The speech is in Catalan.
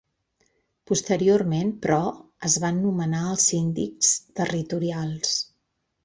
Posteriorment, però, es van nomenar els síndics territorials.